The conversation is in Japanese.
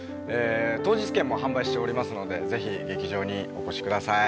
当日券も販売しておりますので、ぜひ劇場にお越しください。